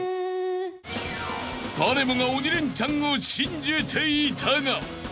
［誰もが鬼レンチャンを信じていたが］